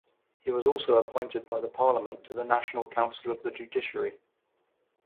He was also appointed by the parliament to the National Council of the Judiciary.